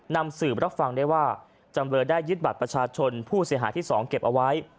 นำสืบรับฟังได้ว่าจำเลยได้ยึดบัตรประชาชนผู้เสียหายที่๒เก็บเอาไว้